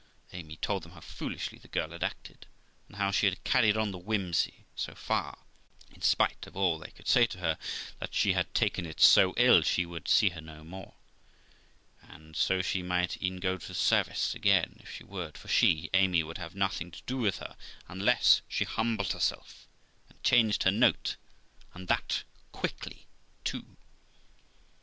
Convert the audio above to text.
Amy told them how foolishly the girl had acted, and how she had carried on the whimsey so far, in spite of all they could say to her; that she had taken it so ill, she would see her no more, and so she might e'en go to service again if she would, for she ( Amy ) would have nothing to do with her unless she humbled herself and changed her note, and that quickly too.